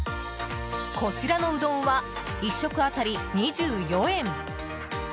こちらのうどんは１食当たり２４円。